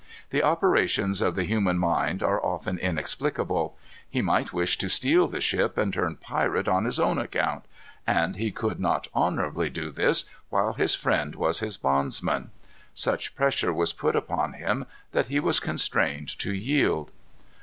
The operations of the human mind are often inexplicable. He might wish to steal the ship and turn pirate on his own account. And he could not honorably do this while his friend was his bondsman. Such pressure was put upon him that he was constrained to yield.